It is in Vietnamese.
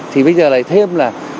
thì bây giờ lại thêm là